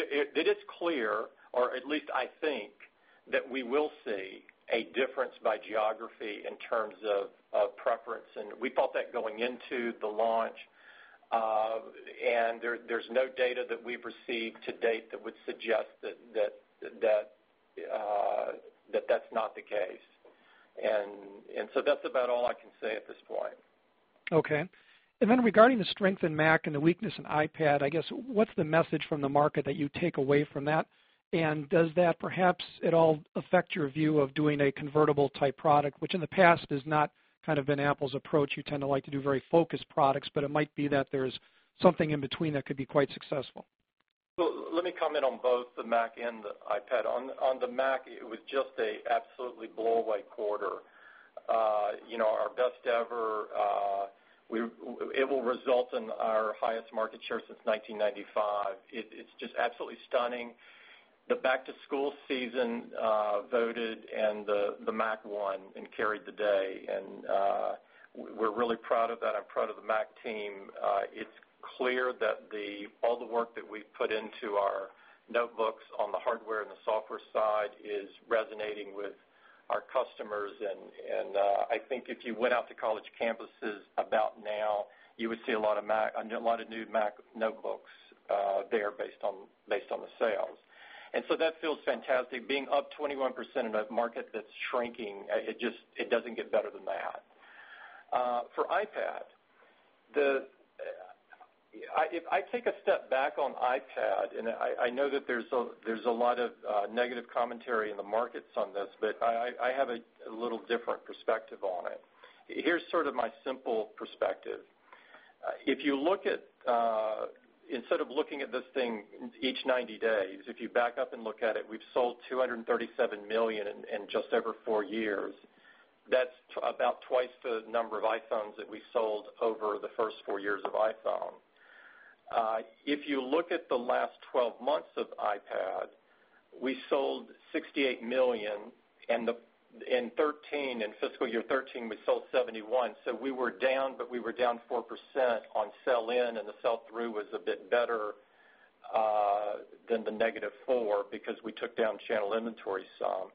It is clear, or at least I think, that we will see a difference by geography in terms of preference, and we thought that going into the launch. There's no data that we've received to date that would suggest that that's not the case. That's about all I can say at this point. Okay. Regarding the strength in Mac and the weakness in iPad, I guess what's the message from the market that you take away from that? Does that perhaps at all affect your view of doing a convertible-type product, which in the past has not kind of been Apple's approach? You tend to like to do very focused products, but it might be that there's something in between that could be quite successful. Let me comment on both the Mac and the iPad. On the Mac, it was just an absolutely blow away quarter. Our best ever. It will result in our highest market share since 1995. It's just absolutely stunning. The back-to-school season voted. The Mac won and carried the day. We're really proud of that. I'm proud of the Mac team. It's clear that all the work that we've put into our notebooks on the hardware and the software side is resonating with our customers, I think if you went out to college campuses about now, you would see a lot of new Mac notebooks there based on the sales. That feels fantastic. Being up 21% in a market that's shrinking, it doesn't get better than that. For iPad, if I take a step back on iPad, I know that there's a lot of negative commentary in the markets on this, I have a little different perspective on it. Here's my simple perspective. Instead of looking at this thing each 90 days, if you back up and look at it, we've sold $237 million in just over four years. That's about twice the number of iPhones that we sold over the first four years of iPhone. If you look at the last 12 months of iPad, we sold $68 million, in fiscal year 2013, we sold 71. We were down, we were down 4% on sell-in, and the sell-through was a bit better than the negative four because we took down channel inventory some.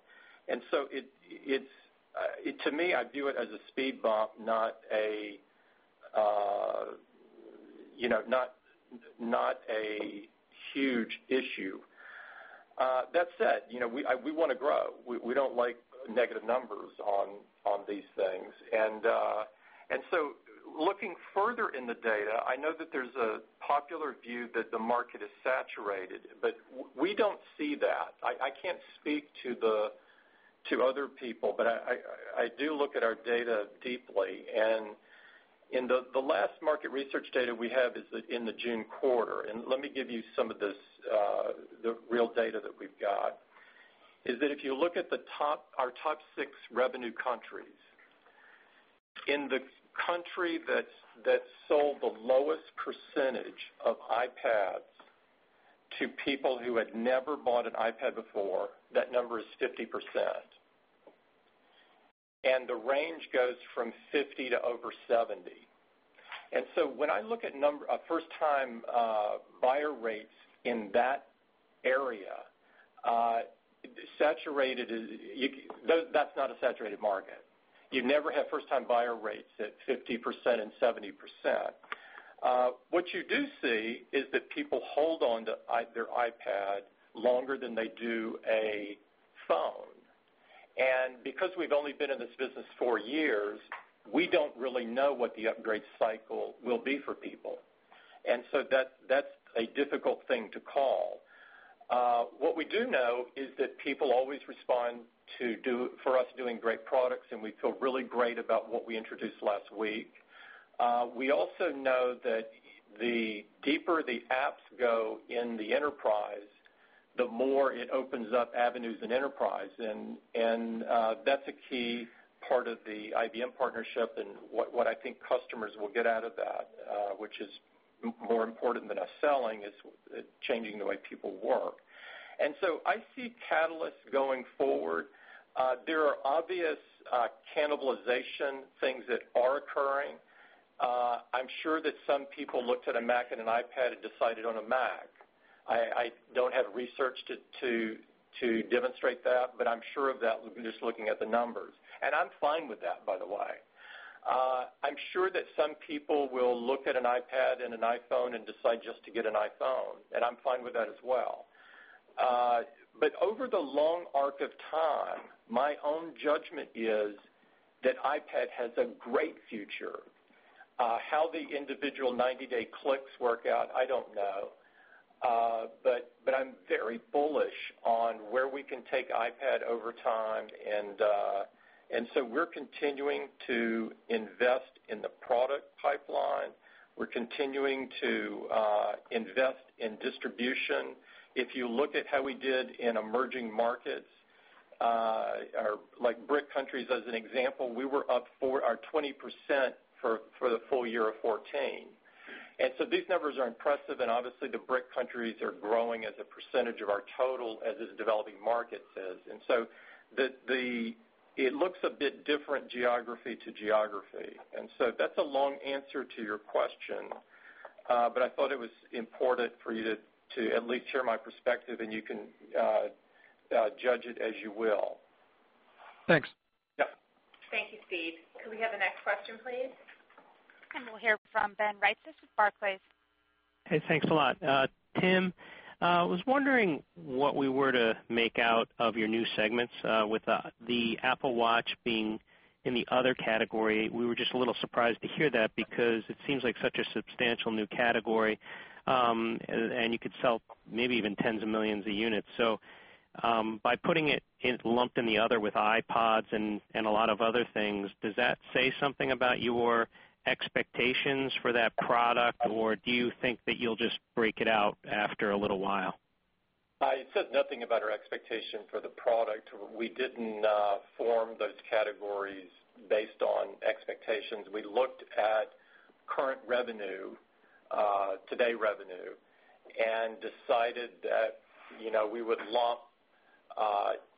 To me, I view it as a speed bump, not a huge issue. That said, we want to grow. We don't like negative numbers on these things. Looking further in the data, I know that there's a popular view that the market is saturated, we don't see that. I can't speak to other people, I do look at our data deeply. In the last market research data we have is in the June quarter, let me give you some of the real data that we've got, is that if you look at our top six revenue countries, in the country that sold the lowest percentage of iPads to people who had never bought an iPad before, that number is 50%, and the range goes from 50 to over 70. When I look at first-time buyer rates in that area, that's not a saturated market. You never have first-time buyer rates at 50% and 70%. What you do see is that people hold on to their iPad longer than they do a phone. Because we've only been in this business four years, we don't really know what the upgrade cycle will be for people. That's a difficult thing to call. What we do know is that people always respond for us doing great products, we feel really great about what we introduced last week. We also know that the deeper the apps go in the enterprise, the more it opens up avenues in enterprise, that's a key part of the IBM partnership and what I think customers will get out of that, which is more important than us selling, is changing the way people work. I see catalysts going forward. There are obvious cannibalization things that are occurring. I'm sure that some people looked at a Mac and an iPad and decided on a Mac. I don't have research to demonstrate that, but I'm sure of that just looking at the numbers. I'm fine with that, by the way. I'm sure that some people will look at an iPad and an iPhone and decide just to get an iPhone, and I'm fine with that as well. Over the long arc of time, my own judgment is that iPad has a great future. How the individual 90-day clicks work out, I don't know. I'm very bullish on where we can take iPad over time, so we're continuing to invest in the product pipeline. We're continuing to invest in distribution. If you look at how we did in emerging markets, like BRIC countries as an example, we were up 20% for the full year of 2014. These numbers are impressive, and obviously, the BRIC countries are growing as a percentage of our total as this developing market is. It looks a bit different geography to geography. That's a long answer to your question, but I thought it was important for you to at least hear my perspective, and you can judge it as you will. Thanks. Yeah. Thank you, Steve. Could we have the next question, please? We'll hear from Ben Reitzes with Barclays. Hey, thanks a lot. Tim, I was wondering what we were to make out of your new segments with the Apple Watch being in the other category. We were just a little surprised to hear that because it seems like such a substantial new category, and you could sell maybe even tens of millions of units. By putting it lumped in the other with iPods and a lot of other things, does that say something about your expectations for that product, or do you think that you'll just break it out after a little while? It says nothing about our expectation for the product. We didn't form those categories based on expectations. We looked at current revenue, today revenue, and decided that we would lump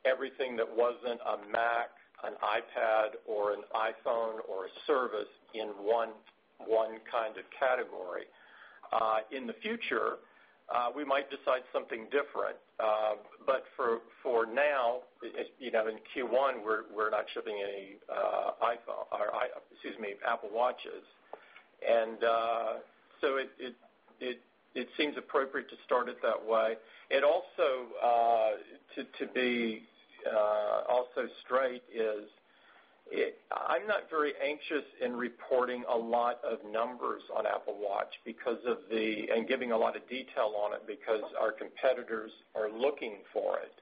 everything that wasn't a Mac, an iPad, or an iPhone, or a service in one kind of category. In the future, we might decide something different. For now, in Q1, we're not shipping any Apple Watches. It seems appropriate to start it that way. Also to be straight is, I'm not very anxious in reporting a lot of numbers on Apple Watch and giving a lot of detail on it because our competitors are looking for it.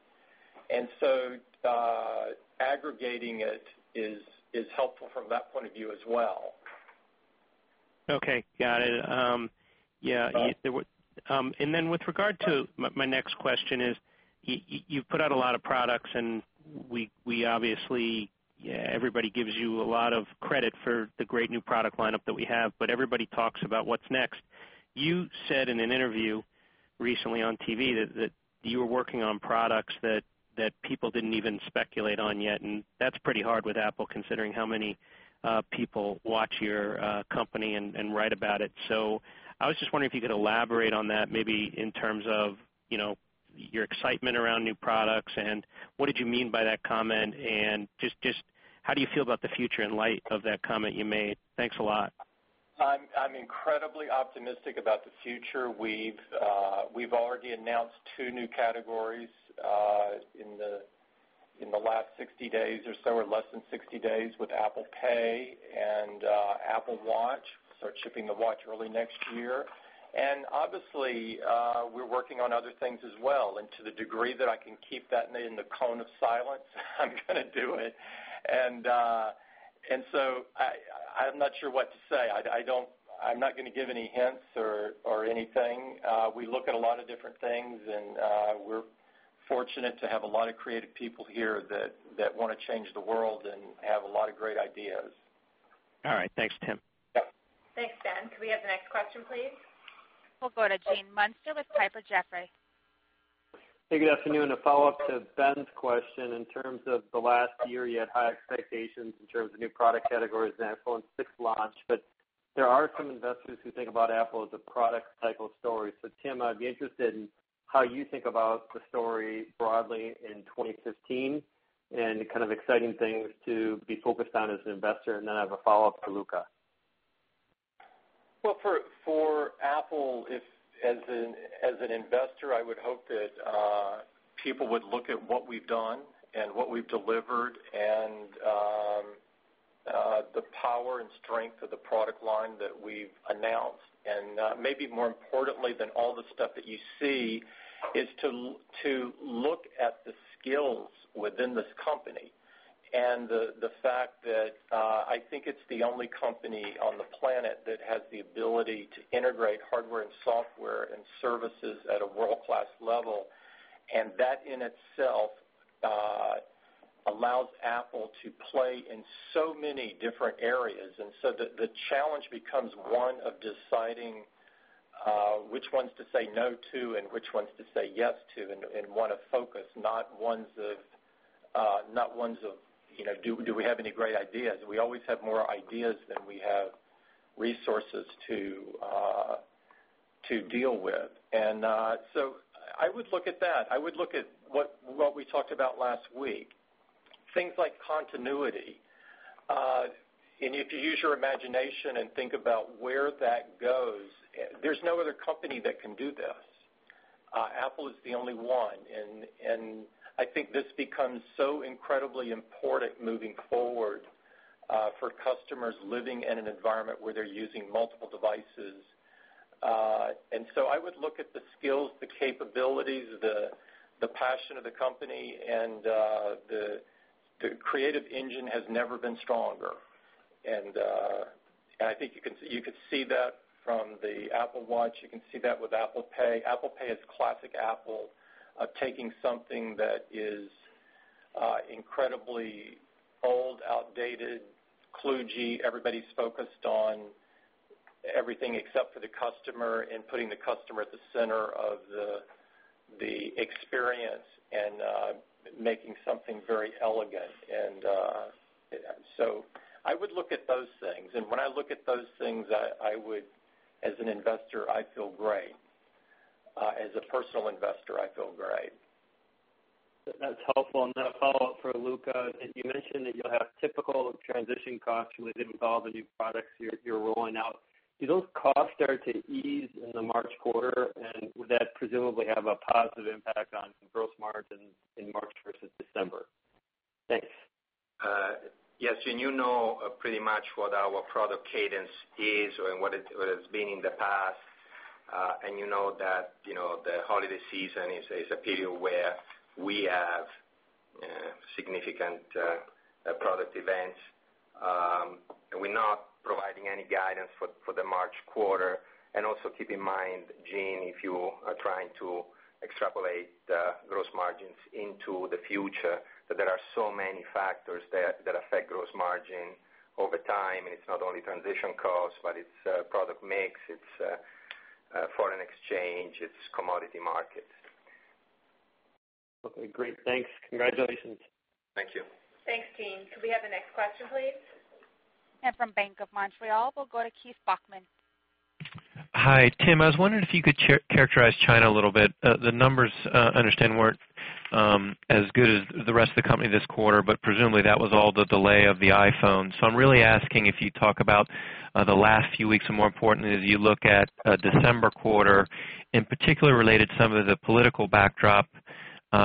Aggregating it is helpful from that point of view as well. Okay. Got it. With regard to my next question is, you've put out a lot of products, and obviously everybody gives you a lot of credit for the great new product lineup that we have, everybody talks about what's next. You said in an interview recently on TV that you were working on products that people didn't even speculate on yet, and that's pretty hard with Apple, considering how many people watch your company and write about it. I was just wondering if you could elaborate on that, maybe in terms of your excitement around new products, and what did you mean by that comment, and just how do you feel about the future in light of that comment you made? Thanks a lot. I'm incredibly optimistic about the future. We've already announced two new categories in the last 60 days or so, or less than 60 days, with Apple Pay and Apple Watch. We'll start shipping the watch early next year. Obviously, we're working on other things as well. To the degree that I can keep that in the cone of silence, I'm going to do it. I'm not sure what to say. I'm not going to give any hints or anything. We look at a lot of different things, and we're fortunate to have a lot of creative people here that want to change the world and have a lot of great ideas. All right. Thanks, Tim. Yep. Thanks, Ben. Could we have the next question, please? We'll go to Gene Munster with Piper Jaffray. Hey, good afternoon. A follow-up to Ben's question. In terms of the last year, you had high expectations in terms of new product categories and iPhone 6 launch, but there are some investors who think about Apple as a product type of story. Tim, I'd be interested in how you think about the story broadly in 2015 and kind of exciting things to be focused on as an investor, and then I have a follow-up for Luca. For Apple, as an investor, I would hope that people would look at what we've done and what we've delivered and the power and strength of the product line that we've announced. Maybe more importantly than all the stuff that you see is to look at the skills within this company and the fact that I think it's the only company on the planet that has the ability to integrate hardware and software and services at a world-class level, and that in itself allows Apple to play in so many different areas. The challenge becomes one of deciding which ones to say no to and which ones to say yes to and want to focus, not ones of do we have any great ideas. We always have more ideas than we have resources to deal with. I would look at that. I would look at what we talked about last week, things like Continuity. If you use your imagination and think about where that goes, there's no other company that can do this. Apple is the only one, I think this becomes so incredibly important moving forward for customers living in an environment where they're using multiple devices. I would look at the skills, the capabilities, the passion of the company, and the creative engine has never been stronger. I think you could see that from the Apple Watch. You can see that with Apple Pay. Apple Pay is classic Apple, taking something that is incredibly old, outdated, kludgy, everybody's focused on everything except for the customer and putting the customer at the center of the experience and making something very elegant. I would look at those things, When I look at those things, as an investor, I feel great. As a personal investor, I feel great. That's helpful. A follow-up for Luca, you mentioned that you'll have typical transition costs related with all the new products you're rolling out. Do those costs start to ease in the March quarter? Would that presumably have a positive impact on gross margins in March versus December? Thanks. Yes, Gene, you know pretty much what our product cadence is and what it has been in the past. You know that the holiday season is a period where we have significant product events. We're not providing any guidance for the March quarter. Also keep in mind, Gene, if you are trying to extrapolate gross margins into the future, that there are so many factors that affect gross margin over time, and it's not only transition costs, but it's product mix, it's Foreign exchange, its commodity market. Okay, great. Thanks. Congratulations. Thank you. Thanks, team. Could we have the next question, please? From Bank of Montreal, we'll go to Keith Bachman. Hi, Tim. I was wondering if you could characterize China a little bit. The numbers, I understand, weren't as good as the rest of the company this quarter, but presumably that was all the delay of the iPhone. I'm really asking if you talk about the last few weeks or more importantly, as you look at December quarter, particularly related some of the political backdrop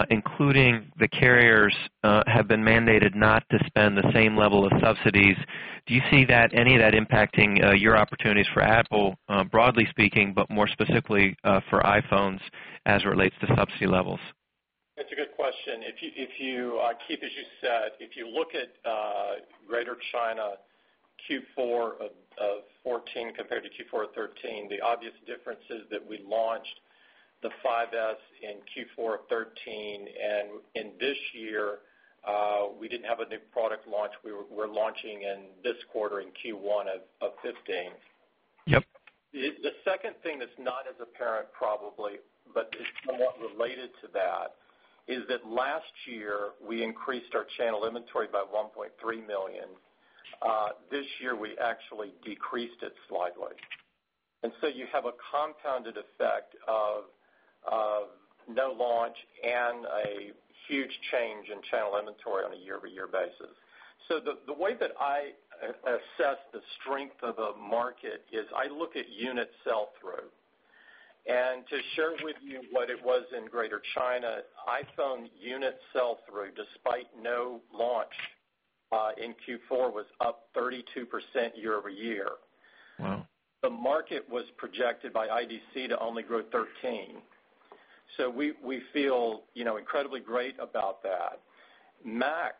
including the carriers have been mandated not to spend the same level of subsidies. Do you see any of that impacting your opportunities for Apple broadly speaking, but more specifically for iPhones as it relates to subsidy levels? That's a good question. Keith, as you said, if you look at Greater China Q4 of 2014 compared to Q4 of 2013, the obvious difference is that we launched the 5s in Q4 of 2013, in this year we didn't have a new product launch. We're launching in this quarter in Q1 of 2015. Yep. The second thing that's not as apparent probably, but is somewhat related to that, is that last year we increased our channel inventory by $1.3 million. This year, we actually decreased it slightly. You have a compounded effect of no launch and a huge change in channel inventory on a year-over-year basis. The way that I assess the strength of a market is I look at unit sell-through. To share with you what it was in Greater China, iPhone unit sell-through, despite no launch in Q4, was up 32% year-over-year. Wow. The market was projected by IDC to only grow 13%. We feel incredibly great about that. Macs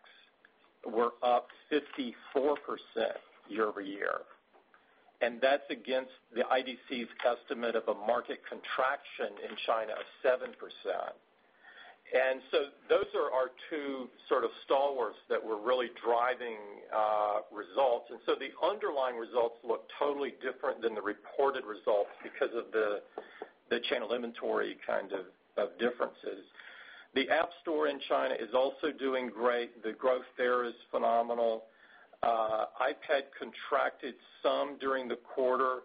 were up 54% year-over-year, and that's against the IDC's estimate of a market contraction in China of 7%. Those are our two sort of stalwarts that were really driving results. The underlying results look totally different than the reported results because of the channel inventory kind of differences. The App Store in China is also doing great. The growth there is phenomenal. iPad contracted some during the quarter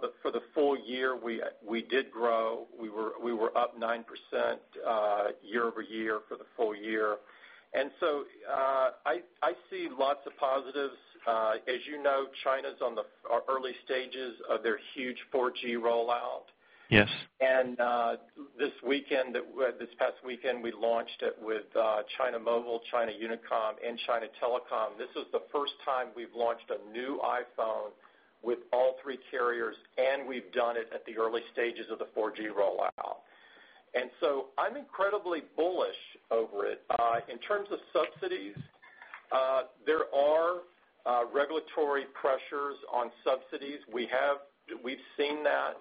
but for the full year, we did grow. We were up 9% year-over-year for the full year. I see lots of positives. As you know, China's on the early stages of their huge 4G rollout. Yes. This past weekend, we launched it with China Mobile, China Unicom, and China Telecom. This is the first time we've launched a new iPhone with all three carriers, and we've done it at the early stages of the 4G rollout. I'm incredibly bullish over it. In terms of subsidies, there are regulatory pressures on subsidies. We've seen that.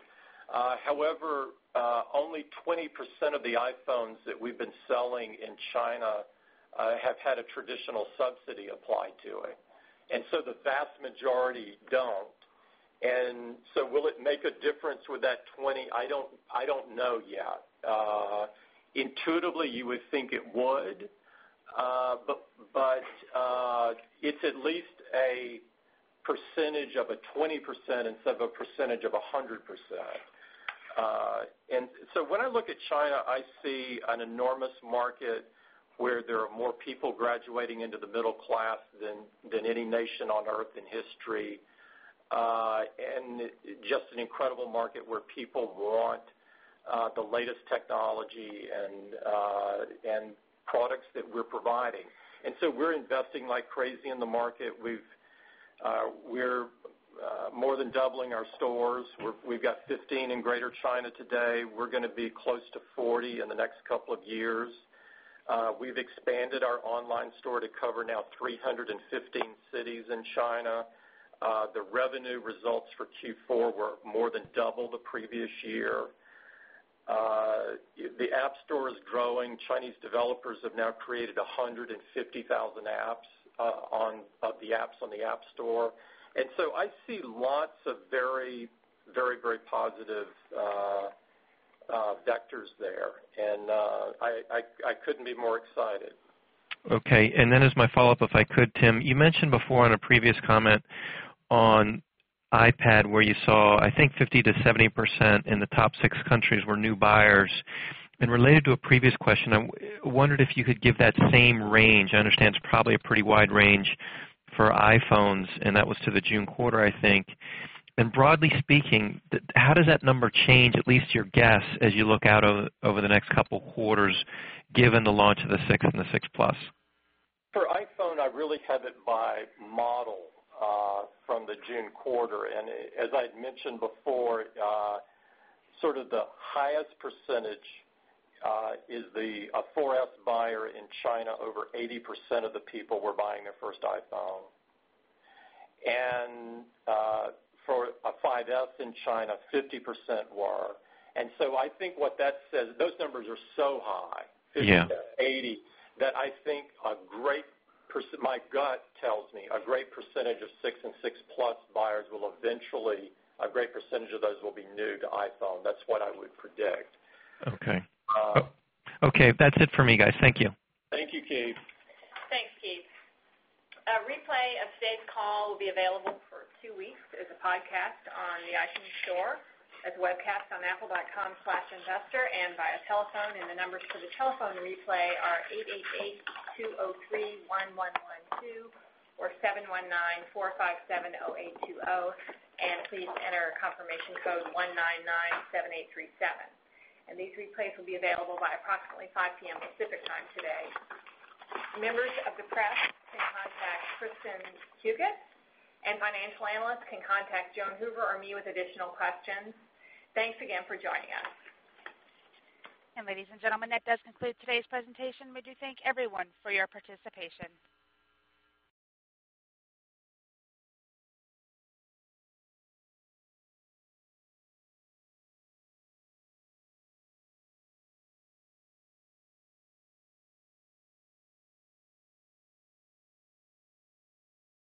However, only 20% of the iPhones that we've been selling in China have had a traditional subsidy applied to it. The vast majority don't. Will it make a difference with that 20%? I don't know yet. Intuitively, you would think it would. But it's at least a percentage of a 20% instead of a percentage of 100%. When I look at China, I see an enormous market where there are more people graduating into the middle class than any nation on Earth in history. Just an incredible market where people want the latest technology and products that we're providing. We're investing like crazy in the market. We're more than doubling our stores. We've got 15 in Greater China today. We're going to be close to 40 in the next couple of years. We've expanded our online store to cover now 315 cities in China. The revenue results for Q4 were more than double the previous year. The App Store is growing. Chinese developers have now created 150,000 apps of the apps on the App Store. I see lots of very, very, very positive vectors there. I couldn't be more excited. Okay, as my follow-up, if I could, Tim, you mentioned before in a previous comment on iPad where you saw, I think 50%-70% in the top six countries were new buyers. Related to a previous question, I wondered if you could give that same range, I understand it's probably a pretty wide range for iPhones, and that was to the June quarter, I think. Broadly speaking, how does that number change, at least your guess, as you look out over the next couple quarters, given the launch of the 6 and the 6 Plus? For iPhone, I really have it by model from the June quarter. As I'd mentioned before, sort of the highest percentage is a 4S buyer in China, over 80% of the people were buying their first iPhone. For a 5S in China, 50% were. I think what that says, those numbers are so high Yeah 50, 80, that I think my gut tells me a great percentage of 6 and 6 Plus buyers will eventually, a great percentage of those will be new to iPhone. That's what I would predict. Okay. Okay, that's it for me, guys. Thank you. Thank you, Keith. Thanks, Keith. A replay of today's call will be available for two weeks as a podcast on the iTunes Store, as a webcast on apple.com/investor via telephone. The numbers for the telephone replay are 888-203-1112 or 719-457-0820. Please enter confirmation code 1997837. These replays will be available by approximately 5:00 P.M. Pacific Time today. Members of the press can contact Kristin Huguet, and financial analysts can contact Nancy Paxton or me with additional questions. Thanks again for joining us. Ladies and gentlemen, that does conclude today's presentation. We do thank everyone for your participation.